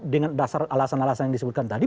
dengan dasar alasan alasan yang disebutkan tadi